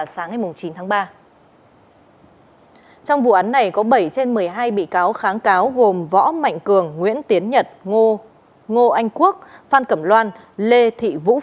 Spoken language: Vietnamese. xin chào và hẹn gặp lại